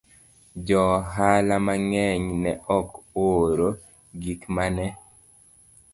Joohala mang'eny ne ok ooro gik ma ne